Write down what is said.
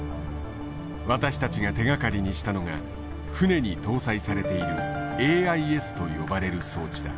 私たちが手がかりにしたのが船に搭載されているＡＩＳと呼ばれる装置だ。